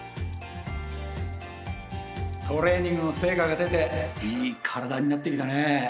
トレーニングの成果が出ていい体になってきたねえ。